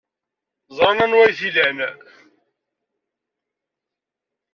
Ẓran anwa ay t-ilan.